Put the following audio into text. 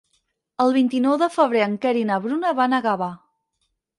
El vint-i-nou de febrer en Quer i na Bruna van a Gavà.